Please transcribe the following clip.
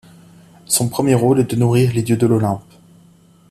Son premier rôle est de nourrir les dieux de l'Olympe.